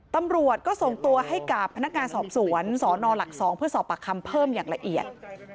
ตำรวจก็ส่งตัวให้กับพนักงานสอบสวนสนหลัก๒เพื่อสอบปากคำเพิ่มอย่างละเอียด